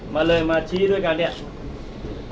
มาเลยมาชี้ด้วยกันเนี่ย